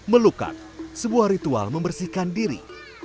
melukat sebuah ritual membersihkan diri